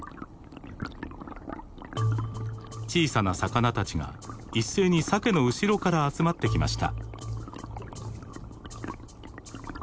小さな魚たちが一斉にサケの後ろから集まってきました。